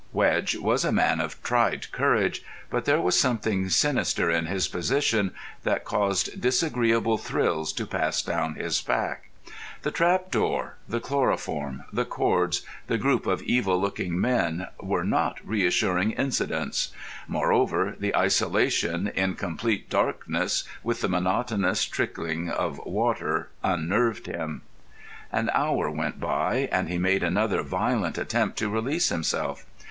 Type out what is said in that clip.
Wedge was a man of tried courage, but there was something sinister in his position that caused disagreeable thrills to pass down his back. The trap door, the chloroform, the cords, the group of evil looking men were not reassuring incidents. Moreover, the isolation in complete darkness with the monotonous trickling of water unnerved him. An hour went by, and he made another violent attempt to release himself.